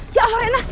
ya allah rena